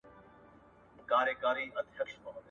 ایا د غچ اخیستلو نشه تلپاتې وي؟